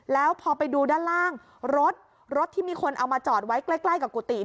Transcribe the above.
แล้วพอไปดูด้านล่างรถรถที่มีคนเอามาจอดไว้ใกล้กับกุฏิ